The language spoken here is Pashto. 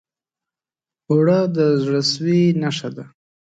اوړه د زړه سوي نښه ده